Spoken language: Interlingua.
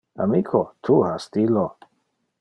Amico, tu ha stilo!